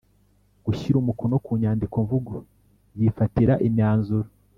gushyira umukono ku nyandikomvugo yifatira imyanzuro